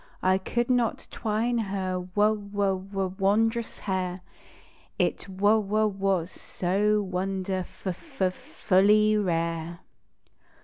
I could not twine her w w w wondrous hair It w w was so wonderf f f fully rare.